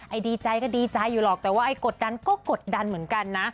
ดีใจก็ดีใจอยู่หรอกแต่ว่าไอ้กดดันก็กดดันเหมือนกันนะ